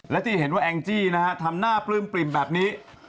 และที่เห็นว่าแองจี้นะฮะทำหน้าปลื้มปริ่มแบบนี้